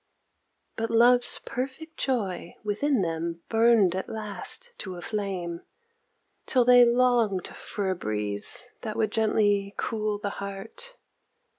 But love's perfect joy within them burned at last to a flame Till they longed for a breeze that would gently cool the heart.